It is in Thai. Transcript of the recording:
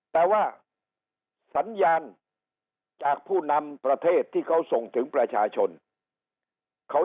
แต่ว่าสัญญาณจากผู้นำประเทศที่เขาส่งถึงประชาชนเขา